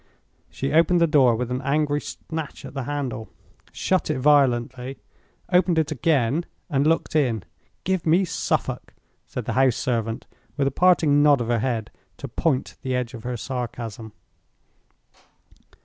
She opened the door with an angry snatch at the handle, shut it violently, opened it again, and looked in. "Give me Suffolk!" said the house servant, with a parting nod of her head to point the edge of her sarcasm.